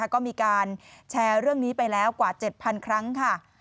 ก็มีการแชร์เรื่องนี้ไปแล้วกว่า๗๐๐ครั้งค่ะ